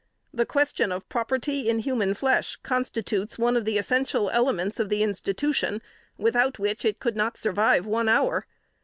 The question of property in human flesh, constitutes one of the essential elements of the institution, without which it could not survive one hour.